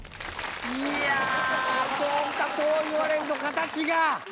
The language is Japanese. いやそうかそう言われると形が！